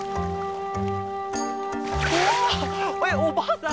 えっおばあさん